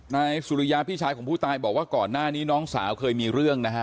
นายสุริยาพี่ชายของผู้ตายบอกว่าก่อนหน้านี้น้องสาวเคยมีเรื่องนะฮะ